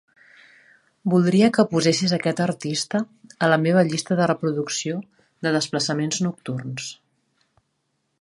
Voldria que posessis aquest artista a la meva llista de reproducció de Desplaçaments nocturns.